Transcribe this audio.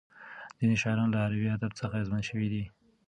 ځینې شاعران له عربي ادب څخه اغېزمن شوي دي.